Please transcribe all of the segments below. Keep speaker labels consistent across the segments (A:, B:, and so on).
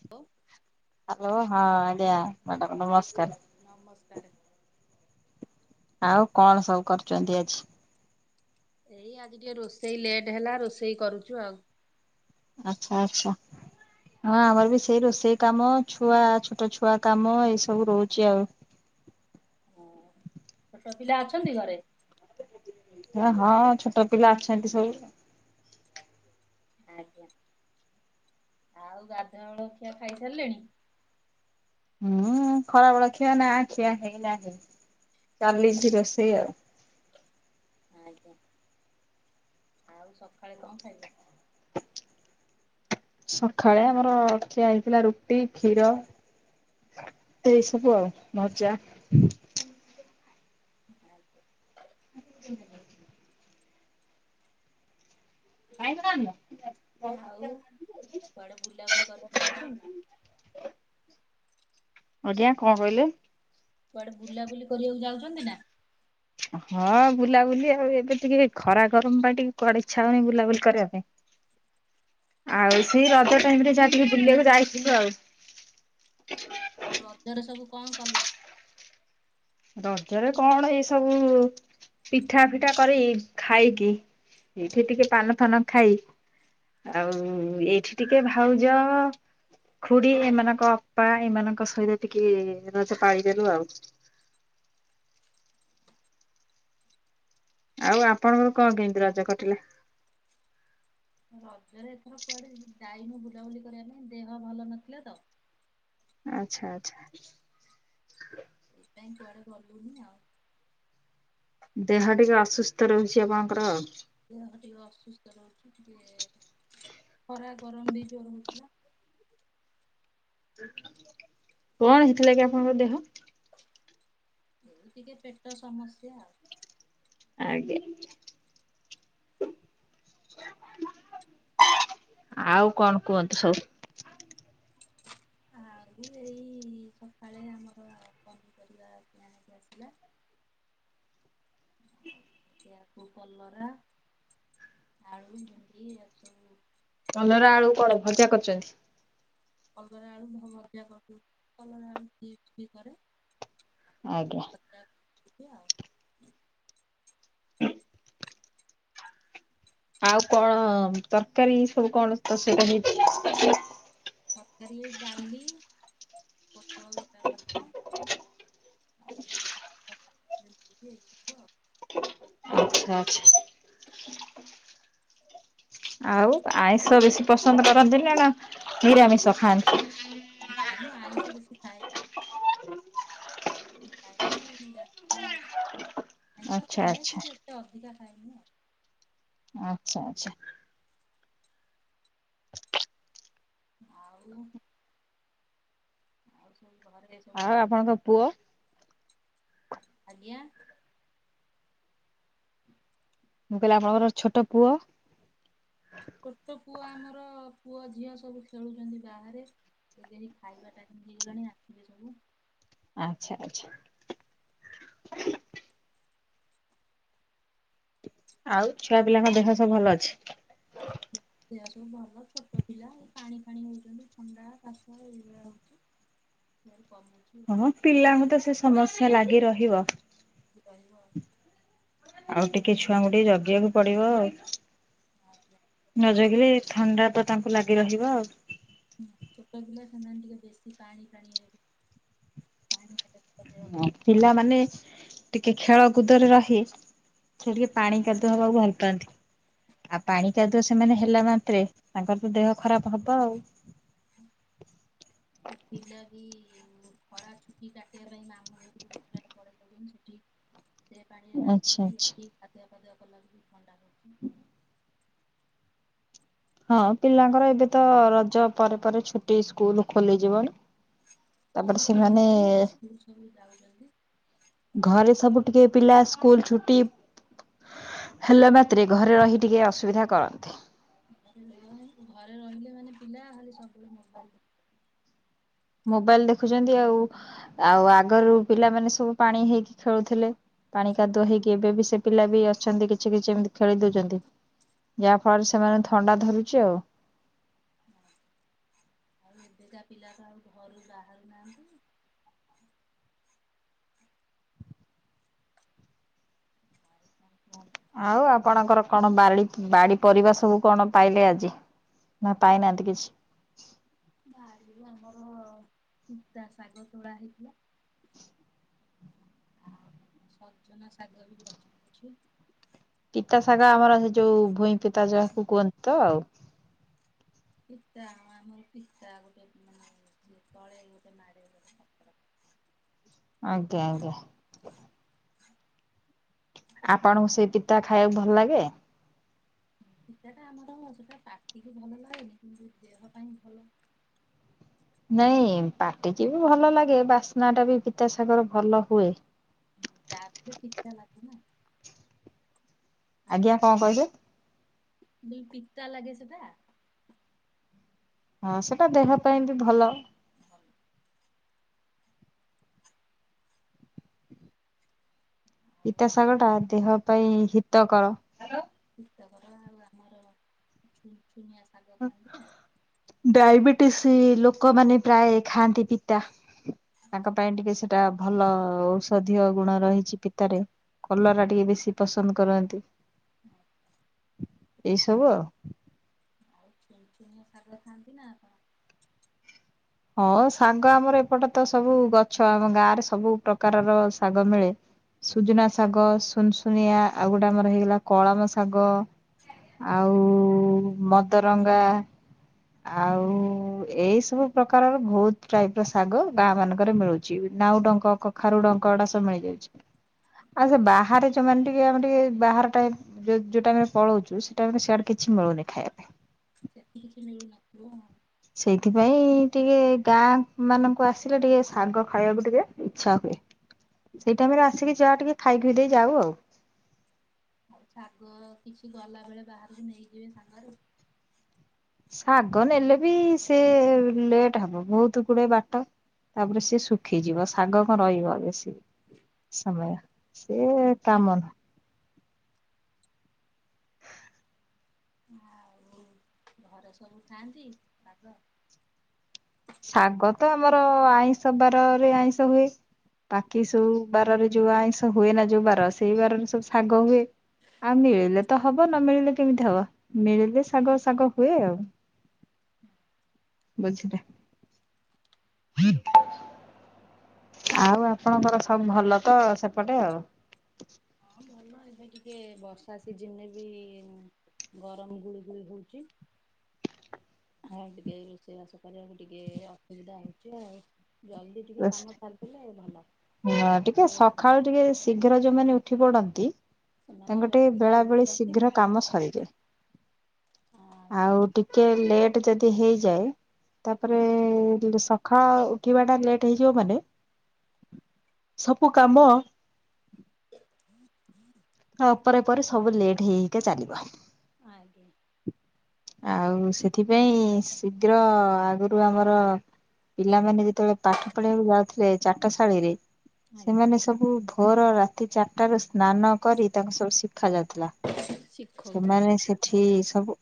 A: [inaudible]
B: Hello ହଁ ଆଜ୍ଞା, madam ନମସ୍କାର୍।
A: ନମସ୍କାରେ।
B: ଆଉ କଣ ସବୁ କରୁଚନ୍ତି ଆଜି?
A: ଏଇ ଆଜି ଟିକେ ରୋଷେଇ ଲେଟ୍ ହେଲା ରୋଷେଇ କରୁଚୁ ଆଉ।
B: ଆଛା ଆଛା। ହଁ ଆମର ବି ସେଇ ରୋଷେଇ କାମ ଛୁଆ ଛୋଟ ଛୁଆ କାମ ଏଇ ସବୁ ରହୁଛି ଆଉ।
A: ହଁ। ଛୋଟ ପିଲା ଅଛନ୍ତି ଘରେ?
B: ୟେ ହଁ ଛୋଟ ପିଲା ଅଛନ୍ତି ସବୁ।
A: ଆଜ୍ଞା ଆଉ ଗାଧୁଆ ବେଳ ଖିଆ ଖାଇ ସାରିଲେଣି?
B: ହୁଁ ଖରା ବେଳ ଖିଆ ନା ଖିଆ ହେଇନାହିଁ ଚାଲିଛି ରୋଷେଇ ଆଉ।
A: ଆଜ୍ଞା। ଆଉ ସକାଳେ କଣ ଖାଇଲ?
B: ସଖାଳେ ଆମର ଖିଆ ହେଇଥିଲା ରୁଟି, କ୍ଷୀର। ଏଇ ସବୁ ଆଉ ଭଜା।
A: ଆଜ୍ଞା।
B: ହୁଁ। ଆଇଁଷ କରିନା?
A: ଆଉ କୁଆଡେ ବୁଲାବୁଲି କରିବାକୁ ଯାଉଛନ୍ତି?
B: ଆଜ୍ଞା କଣ କହିଲେ?
A: କୁଆଡେ ବୁଲାବୁଲି କରିବାକୁ ଯାଉଛନ୍ତି ନା?
B: ହଁ ବୁଲାବୁଲି ଆଉ ଏବେ ଟିକେ ଖରା ଗରମ ପାଇଁ ଟିକେ କୁଆଡେ ଇଚ୍ଛା ହଉନି ବୁଲାବୁଲି କରିବା ପାଇଁ।
A: [inaudible]
B: ଆଉ ସେ ରଜ ଟାଇମ ରେ ଯାହା ଟିକେ ବୁଲିବାକୁ ଯାଇଥିଲୁ ଆଉ।
A: ଆଉ ରଜରେ ସବୁ କଣ କଲେ?
B: ରଜରେ କଣ ଏଇ ସବୁ ପିଠା ଫିଠା କରି ଖାଇକି। ଏଇଠି ଟିକେ ପାନଫାନ ଖାଇ। ଆଉ ଏଇଠି ଟିକେ ଭାଉଜ ଖୁଡି ଏମାନଙ୍କ ଅପା ଏମାନଙ୍କ ସହିତ ଟିକେ ରଜ ପାଳିଦେଲୁ ଆଉ। ଆଉ ଆପଣଙ୍କର କଣ କେମିତି ରଜ କଟିଲା?
A: ରଜରେ ଏଥର କୁଆଡେ ଯାଇନୁ ବୁଲାବୁଲି କରିବା ପାଇଁ ଦେହ ଭଲ ନଥିଲା ତ।
B: ଆଚ୍ଛା ଆଚ୍ଛା।
A: ସେଇଥିପାଇଁ କୁଆଡେ ଗଲୁନି ଆଉ।
B: ଦେହ ଟିକେ ଅସୁସ୍ଥ ରହୁଛି ଆପଣଙ୍କର ଆଉ।
A: ଦେହ ଟିକେ ଅସୁସ୍ଥ ରହୁଛି ଟିକେ ଖରା ଗରମ ବି ଜୋର ହଉଥିଲା।
B: କଣ ହେଇଥିଲା କି ଆପଣଙ୍କ ଦେହ?
A: ଏଇ ଟିକେ ପେଟ ସମସ୍ୟା ଆଉ।
B: ଆଜ୍ଞା। ଆଉ କଣ କୁହନ୍ତୁ ସବୁ?
A: ଆଉ ଏଇ ସକାଳେ ଆମର ପନିପରିବା କିଣା ହେଇକି ଆସିଲା। ସେୟାକୁ କଲରା। ଆଳୁ ଭେଣ୍ଡି ଏ ସବୁ।
B: କଲରା ଆଳୁ କଣ ଭଜା କରିଛନ୍ତି?
A: କଲରା ଆଳୁ ଭ ଭଜା କରିଦେଉଛି କଲରା ଆଳୁ ଚିପ୍ସ ବି କରେ।
B: ଆଜ୍ଞା।
A: [unintelligible] ଏତିକି ଆଉ।
B: ଆଉ କଣ ତରକାରୀ ସବୁ କଣ ରୋଷେଇ କଣ ହେଇଚି?
A: ତରକାରୀ ଡାଲି ପୋଟଳ ଗୋଟା ଭଜା। ଆଉୁ [unintelligible]
B: ଆଚ୍ଛା ଆଛା। ଆଉ ଆଇଁଷ ବେଶୀ ପସନ୍ଦ କରନ୍ତି ନା ନିରାମିଷ ଖାଆନ୍ତି?
A: ଯାଇନ ଆଇଁଷ ବେଶୀ ଖାଏନି। ଖାଇନି [unintelligible] ଆଇଁସ
B: ଆଚ୍ଛା
A: ଖାଏ
B: ଆଚ୍ଛା
A: କିନ୍ତୁ ଏତେ ଅଧିକା ଖାଏନି ଆଉ।
B: ଆଚ୍ଛା ଆଚ୍ଛା।
A: ଆଉ ଆଉସ୍
B: ଆଉ ଆପଣଙ୍କ ପୁଅ?
A: ଆଜ୍ଞା। [inaudible]
B: ମୁଁ କହିଲି ଆପଣଙ୍କର ଛୋଟ ପୁଅ?
A: ଛୋଟ ପୁଅ ଆମର ପୁଅ ଝିଅ ସବୁ ଖେଳୁଛନ୍ତି ବାହାରେ। ସେ ଖାଇବା ଟା କେମିତି ହେଇଗଲାଣି ଆସିବେ ସବୁ।
B: ଆଚ୍ଛା ଆଚ୍ଛା। ଆଉ ଛୁଆ ପିଲାଙ୍କ ଦେହ ସବୁ ଭଲ ଅଛି।
A: ପିଲା ସବୁ ଭଲ ଛୋଟ ପିଲା ଏ ପାଣି ଫାଣି ହଉଛନ୍ତି ଥଣ୍ଡା କାଶ ଏଇଗୁରା। [unintelligible] କମୁଛି।
B: ହଁ ପିଲାଙ୍କୁ ତ ସେ ସମସ୍ୟା ଲାଗି ରହିବ।
A: ସେ କହିବ।
B: ଆଉ ଟିକେ ଛୁଆଙ୍କୁ ଟିକେ ଜଗିବାକୁ ପଡିବ ଆଉ।
A: ଆଉ।
B: ନଜଗିଲେ ଥଣ୍ଡା ତ ତାଙ୍କୁ ଲାଗି ରହିବ ଆଉ।
A: ହୁଁ ଛୋଟ ପିଲା ସେମାନେ ଟିକେ ବେଶୀ ପାଣି ଫାଣି ହେବେ। [unintelligible]
B: ପିଲାମାନେ ଟିକେ ଖେଳକୁୁଦରେ ରହି ସେ ଟିକେ ପାଣି କାଦୁଅ ହବାକୁ ଭଲ ପାଆନ୍ତି। ଆଉ
A: ଖରାପ।
B: ପାଣି କାଦୁଅ ସେମାନେ ହେଲା ମାତ୍ରେ ତାଙ୍କର ତ ଦେହ ଖରାପ ହବ ଆଉ।
A: ହୁଁ ହଁ। ପିଲା ବି ଖରା ଛୁଟି କାଟିବା ପାଇଁ ମାମୁଁ ଘରକୁ ପ୍ରାୟ ପଳେଇ ଯାଉଛନ୍ତି। ସେଠି ସେ
B: ଆଚ୍ଛା ଆଚ୍ଛା
A: ପାଣିରେ [unintelligible] ଥଣ୍ଡା ହଉଛି।
B: ହଁ ପିଲାଙ୍କର ଏବେ ତ ରଜ ପରେ ପରେ ଛୁଟି ସ୍କୁଲ ଖୋଲିଯିବନା।
A: ସ୍କୁଲ ଖୋଲିଗଲାଣି ଏବେ ସ୍କୁଲ ସବୁ ଯାଉଛନ୍ତି।
B: ଘରେ ସବୁ ଟିକେ ପିଲା ସ୍କୁଲ ଛୁଟି ହେଲା ମାତ୍ରେ ଘରେ ରହି ଟିକେ ଅସୁବିଧା କରନ୍ତି।
A: ଘରେ ରହିବା ଘରେ ରହିଲେ ମାନେ ପିଲା ଖଲି ସବୁବେଳେ ମୋବାଇଲି
B: ମୋବାଇଲ୍ ଦେଖୁଛନ୍ତି ଆଉ। ଆଉ ଆଗରୁ ପିଲାମାନେ ସବୁ ପାଣି ହେଇକି ଖେଳୁଥିଲେ। ପାଣି କାଦୁଅ ହେଇକି ଏବେ ବି ସେ ପିଲା ବି ଅଛନ୍ତି କିଛି କିଛି ଏମତି ଖେଳି ଦଉଛନ୍ତି। ଯାହା ଫଳରେ ସେମାନେ ଥଣ୍ଡା ଧରୁଛି ଆଉ।
A: ହଁ ଆଉ ଏବେକା ପିଲା ତ ଆଉ ଘରୁ ବାହାରୁ ନାହାନ୍ତି। [unintelligible]
B: ଆଉ ଆପଣଙ୍କର କଣ ବାଳିଡି ବାଡି ପରିବା ସବୁ କଣ ପାଇଲେ ଆଜି? ନା ପାଇନାହାଁନ୍ତି କିଛି।
A: ବାଡିରେ ଆମର [unintelligible] ଶାଗ ତୋଳା ହେଇଥିଲା। ଆଉ ସଜନା ଶାଗ ବି ଗଛ ଅଛି।
B: ପିତା ଶାଗ ଆମର ସେ ଯୋଉ ଭୂଇଁ ପିତା ଯାହାକୁ କୁହନ୍ତି ତ ଆଉ।
A: ପିତା ଆମର ପିତା ଗୋଟେ ମାନେ ତଳେ ଗୋଟେ ମାଡେ ଗୋଟେ [unintelligible]
B: ଆଜ୍ଞା ଆଜ୍ଞା। ଆପଣଙ୍କୁ ସେଇ ପିତା ଖାଇବାକୁ ଭଲ ଲାଗେ?
A: ଫି-ଫିତା ଟା ଆମର ସେଟା ପାଟିକୁ ଭଲ ଲାଗେନି କିନ୍ତୁ ଦେହ ପାଇଁ ଭଲ।
B: ନାଇଁ ପାଟିକି ବି ଭଲ ଲାଗେ। ବାସ୍ନା ଟା ବି ପିତା ଶାଗର ଭଲ ହୁଏ।
A: [unintelligible]
B: ଆଜ୍ଞା, କଣ କହିଲେ?
A: ଦୁଇ ପିତା ଲାଗେ ସେଟା?
B: ହଁ, ସେଟା ଦେହ ପାଇଁ ବି ଭଲ।
A: ହଁ ଆଉ
B: ପିତା ଶାଗ ଟା ଦେହ ପାଇଁ ହିତକର।
A: ହିତକର ଆଉ ଆମର ଛୁନୁଛୁନିଆ ଶାଗ ଖଆନ୍ତି ନା
B: ଡାଇବେଟିସ ଲୋକମାନେ ପ୍ରାୟ ଖାଆନ୍ତି ପିତା। ତାଙ୍କ ପାଇଁ ଟିକେ ସେ ଟା ଭଲ ଔଷଧୀୟ ଗୁଣ ରହିଛି ପିତାରେ। କଲରା ଟିକେ ବେଶୀ ପସନ୍ଦ କରନ୍ତି।
A: [unintelligible]
B: ଏଇ ସବୁ ଆଉ।
A: ଆଉ ସୁନୁସୁନିଆ ଶାଗ ଖାଆନ୍ତି ନା ଆପଣ?
B: ହଁ ସାଙ୍ଗ ଆମର ଏପଟ ତ ସବୁ ଗଛ ଆମ ଗାଁ ରେ ସବୁ ପ୍ରକାରର ଶାଗ ମିଳେ। ସୁଜୁନା ଶାଗ, ସୁନୁସୁନିଆ ଆଉ ଗୋଟେ ଆମର ହେଇଗଲା କଳମ ଶାଗ ଆଉ ମଦରଙ୍ଗା ଆଉ ଏଇ ସବୁ ପ୍ରକାରର ବହୁତ ଟାଇପ ର ଶାଗ ଗାଁ ମାନଙ୍କରେ ମିଳୁଚି। ନାଉଡଙ୍କ କଖାରୁଡଙ୍କ ଏଡା ସବୁ ମିଳିଯା ଉଛି। ଆଉ ସେ ବାହାରେ ଯୋଉମାନେ ଟିକେ ଆମେ ଟିକେ ବାହାର ଟାଇପ୍ ଯୋଉ ଯୋଉ ଟାଇମ୍ ରେ ପଳଉଛୁ ସେ ଟାଇମ୍ ରେ ସେଆଡେ କିଛି ମିଳୁନି ଖାଇବା ପାଇଁ।
A: ସେଠି କିଛି ମିଳୁନଥିବ ଆଉ।
B: ସେଇଥିପାଇଁ ଟିକେ ଗାଁ ମାନଙ୍କୁ ଆସିଲେ ଟିକେ ଶାଗ ଖାଇବାକୁ ଟିକେ ଇଛା ହୁଏ। ସେଇ ଟାଇମ୍ ରେ ଆସିକି ଯାହା ଟିକେ ଖାଇପିଇ ଦେଇ ଯାଉ ଆଉ।
A: ଆଉ ଶାଗ କିଛି ଗଲା ବେଳେ ବାହାରକୁ ନେଇଯିବେ ସାଙ୍ଗରୁ।
B: ଶାଗ ନେଲେ ବି ସେ ଲେଟ୍ ହବ। ବହୁତ ଗୁଡେ ବାଟ। ତାପରେ ସେ ଶୁଖିଯିବ। ଶାଗ କଣ ରହିବ ବେଶୀ ସମୟ ସେ କାମ ନୁହ
A: ଆଉ ଘରେ ସବୁ ଖାଆନ୍ତି ଶାଗ?
B: ଶାଗ ତ ଆମର ଆଇଁଷ ବାରରେ ଆଇଁଷ ହୁଏ ବାକି ସବୁ ବାରରେ ଯୋଉ ଆଇଁଷ ହୁଏ ନା ଯୋଉ ବାର ସେଇ ବାରରେ ସବୁ ଶାଗ ହୁଏ। ଆଉ ମିଳିଲେ ତ ହବ ନ ମିଳିଲେ କେମିତି ହବ। ମିଳିଲେ ଶାଗ ଶାଗ ହୁଏ ଆଉ।
A: [inaudible]
B: ବୁଝିଲେ। [unintelligible] ଆଉ ଆପଣଙ୍କର ସବୁ ଭଲ ତ ସେପଟେ ଆଉ?
A: ହଁ, ଭଲ ଏବେ ଟିକେ ବର୍ଷା ସିଜିନ୍ ରେ ବି ଗରମ ଗୁଳୁ ଗୁଳି ହଉଚି। ହଁ ଟିକେ ରୋଷେଇ ବାସ କରିବାକୁ ଟିକେ ଅସୁବିଧା ହଉଚି ଆଉ। ଜଲଦି ଟିକେ କାମ ସାରିଦେଲେ ଭଲ।
B: ହଁ, ଟିକେ ସଖାଳୁ ଟିକେ ଶୀଘ୍ର ଯୋଉମାନେ ଉଠି ପଡନ୍ତି
A: ସେମାନେ
B: ତାଙ୍କୁ ଟିକେ
A: ଜଲ୍ଦି
B: ବେଳା
A: ସାରି
B: ବେଳି
A: ଦଉଛନ୍ତି
B: ଶୀଘ୍ର କାମ ସରିଯାଏ। ଆଉ ଟିକେ ଲେଟ୍ ଯଦି ହେଇଯାଏ ତାପରେ ସକାଳ ଉଠିବାଟା ଲେଟ୍ ହେଇଯିବ ମାନେ ସବୁ କାମ
A: ହୁଁ ହୁଁ!
B: ହଁ ପରେ ପରେ ସବୁ ଲେଟ୍ ହେଇ ହେଇକା ଚାଲିବ।
A: ଆଜ୍ଞା!
B: ଆଉ ସେଥିପାଇଁ ଶୀଘ୍ର ଆଗରୁ ଆମର ପିଲାମାନେ ଯେତେବେଳେ ପାଠ ପଢିବାକୁ ଯାଉଥିଲେ ଚାଟଶାଳୀରେ ସେମାନେ
A: ଆଜ୍ଞା
B: ସବୁ ଭୋର ରାତି ଚାରିଟାରେ ସ୍ନାନ କରି ତାଙ୍କୁ ସବୁ ଶିଖା ଯାଉଥିଲା!
A: ଶିକଖ [unintelligible]
B: ସେମାନେ ସେଠି ସବୁ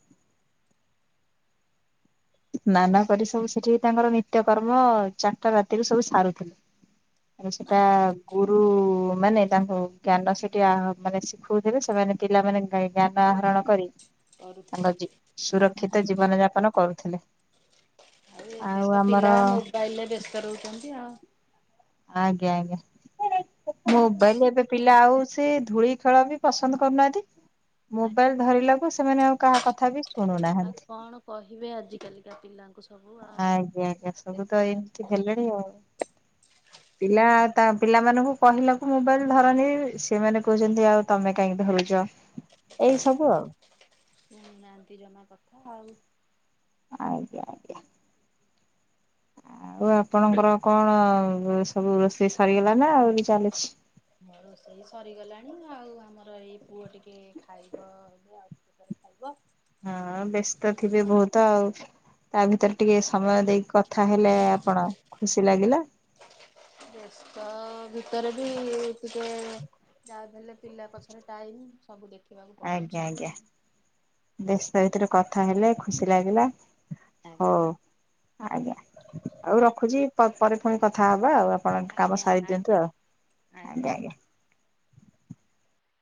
B: ନା ନା କରି ସବୁ ସେଠି ତାଙ୍କର ନିତ୍ୟକର୍ମ ଚାରିଟା ରାତିରୁ ସବୁ ସାରୁଥିଲେ। ଆଉ
A: ଆଜ୍ଞା
B: ସେଟାବ୍ ଗୁରୁ ମାନେ ତାଙ୍କୁ ଜ୍ଞାନ ସେଠି ଆ ମାନେ ଶିଖୋଉଥିବେ! ସେମାନେ ପିଲାମାନେ ହେଇଟାପା ଆହରଣ କରି
A: କରୁଥିଲେ
B: ତାଙ୍କଜୀପ୍ ସୁରକ୍ଷିତ ଜୀବନ ଯାପନ କରୁଥିଲେ।
A: ଆଉ ଏବେ ତ ପିଲା ମୋବାଇଲରେ ବ୍ୟସ୍ତ ରହୁଚନ୍ତି ଆଉ।
B: ଆଜ୍ଞା ଆଜ୍ଞା! ହେରେ ଓପୋ ମୋବାଇଲରେ ଏବେ ପିଲା ଆଉ ସେ ଧୂଳି ଖେଳ ବି ପସନ୍ଦ କରୁନାଆନ୍ତି।
A: ଆଜ୍ଞା
B: ମୋବାଇଲ ଧରିଲାକୁ ସେମାନେ ଆଉ କାହା କଥା ବି
A: ଆଉ
B: ଶୁଣୁନାହାନ୍ତି।
A: କଣ କହିଵି ଆଜି କାଲିକା ପିଲାଙ୍କୁ ସବୁ ଆଉ
B: ଆଜ୍ଞା ଆଜ୍ଞା ସବୁ ତ
A: ଦେଖୁଥା!
B: ଏମିତି
A: ତା
B: ହେଲେଣି ଆଉ।
A: [unintelligible]
B: ପିଲା ତା ପିଲାମାନଙ୍କୁ କହିଲାକୁ ମୋବାଇଲି ଧରନି ସେମାନେ କହୁଚନ୍ତି ଆଉ! ତମେ କାଇଁ ଧରୁଛ! ଏଇ ସବୁ ଆଉ।
A: ଶୁଣୁ ନାହାନ୍ତି ଜମା କଥା ଆଉ।
B: ଆଜ୍ଞା ଆଜ୍ଞା! ଆଉ ଆପଣଙ୍କର କଣ ସବୁ ରୋଷେଇ ସରିଗଲାଣି ନା ଆହୁରି ଚାଲିଚି।
A: ହଁ ରୋଷେଇ ସରିଗଲାଣି ଆଉ ଆମର ଏଇ ପୁଅ ଟିକେ ଖାଇବ ଏବେ ଆଉ। ଘରେ ଖାଇବ।
B: ହଁ ବେସ୍ତ ଥିବେ ବହୁତ ଆଉ। ଆଭିତରେ ଟିକେ ସମୟ ଦେଇ କଥା ହେଲେ ଆପଣ ଖୁସି ଲାଗିଲା।
A: ବେସ୍ତ ଭିତରେ ବି ଟିକେ ଯାହାଵି ହେଲେ ପିଲା ପଛରେ ଟାଇମି ସବୁ ଦେଖେ!
B: ଆଜ୍ଞା ଆଜ୍ଞା! ବ୍ୟସ୍ତ ଭିତରେ କଥା ହେଲେ ଖୁସି ଲାଗିଲା।
A: ଆଜ୍ଞା!
B: ହଉ ଆଜ୍ଞା! ଆଉ
A: ଆଜ୍ଞା
B: ରଖୁଚି ପ ପରେ ପୁଣି କଥା ହବା ଆଉ। ହନ୍ତୁ କାମ
A: ଆଜ୍ଞା
B: ସାରି
A: ଆଜ୍ଞା
B: ଦିଅନ୍ତୁ ଆଉ ଆଜ୍ଞା ଆଜ୍ଞା।